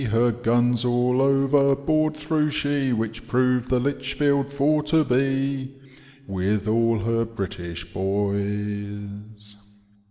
Her guns all overboard threw she, Which proved the Litchfield for to bo. With all her British boys.